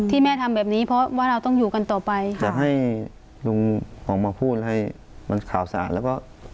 แม่ทำแบบนี้เพราะว่าเราต้องอยู่กันต่อไปค่ะอยากให้ลุงออกมาพูดให้มันข่าวสารแล้วก็